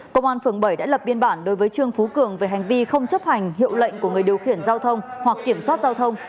công an phường bảy đã lập biên bản đối với trương phú cường về hành vi không chấp hành hiệu lệnh của người điều khiển giao thông hoặc kiểm soát giao thông